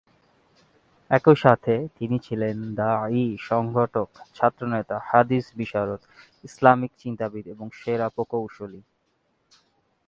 একই সাথে তিনি ছিলেন দা’য়ী, সংগঠক, ছাত্রনেতা, হাদীস বিশারদ, ইসলামিক চিন্তাবিদ এবং সেরা প্রকৌশলী।